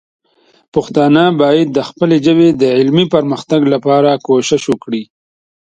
پښتانه باید د خپلې ژبې د علمي پرمختګ لپاره کوښښ وکړي.